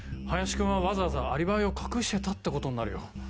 林君はわざわざアリバイを隠してたってことになるよ。